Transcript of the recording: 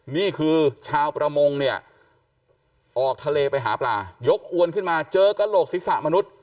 นี่คือชาวประมงเนี่ยออกทะเลไปหาปลายกอวนขึ้นมาเจอกระโหลกศีรษะมนุษย์